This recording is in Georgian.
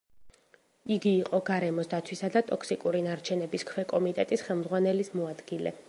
იგი იყო გარემოს დაცვისა და ტოქსიკური ნარჩენების ქვეკომიტეტის ხელმძღვანელის მოადგილე.